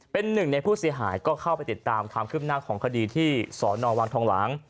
เป็นหนึ่งในผู้เสียหายก็เข้าไปติดตามความคืบหน้าของคดีที่สอนอวังทองหลาง